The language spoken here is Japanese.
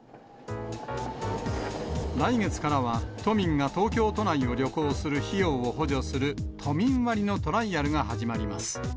来月からは、都民が東京都内を旅行する費用を補助する都民割のトライアルが始まります。